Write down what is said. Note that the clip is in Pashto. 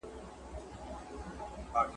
څو قبرونه په میوند کي دي؟